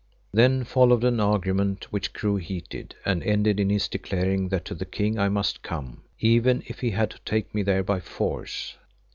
Then followed an argument which grew heated and ended in his declaring that to the King I must come, even if he had to take me there by force.